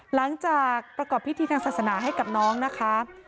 หลังจากประกอบพิธีทางศาสนาให้กับน้องนะคะ